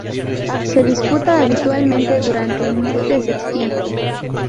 Se disputa habitualmente durante el mes de septiembre.